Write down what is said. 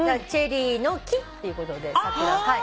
チェリーの木っていうことで桜。